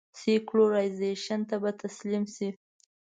سیکولرایزېشن ته به تسلیم شي.